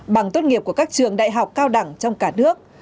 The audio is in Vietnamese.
bằng tốt nghiệp của các trường đại học cao đẳng trong cả nước